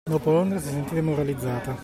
Dopo Londra si sentì demoralizzata